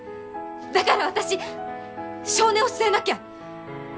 だから私性根を据えなきゃ！